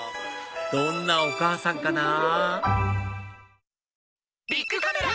どんなお母さんかなぁ？